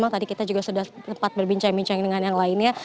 tadi kita juga sudah sempat berbincang bincang dengan yang lainnya